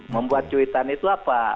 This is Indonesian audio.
membuat cuitan itu apa